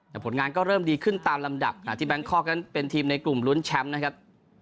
แต่ผลงานก็เริ่มดีขึ้นตามลำดับขณะที่แบงคอกนั้นเป็นทีมในกลุ่มลุ้นแชมป์นะครับ